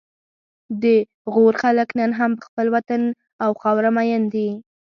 د غور خلک نن هم په خپل وطن او خاوره مین دي